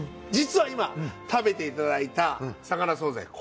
実は今食べていただいた魚惣菜